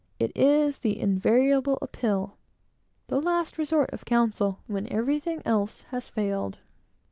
It is the invariable appeal, the last resort, of counsel, when everything else has failed.